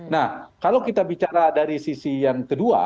nah kalau kita bicara dari sisi yang kedua